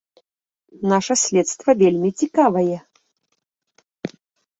Наша следства вельмі цікавае.